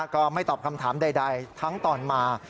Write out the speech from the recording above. ก็ไม่ตอบคำถามใดทั้งตอนมา